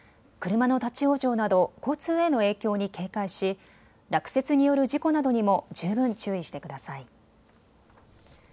車の立往生など交通への影響に警戒し落雪による事故などにも十分注意してください。